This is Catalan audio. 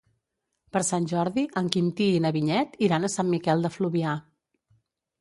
Per Sant Jordi en Quintí i na Vinyet iran a Sant Miquel de Fluvià.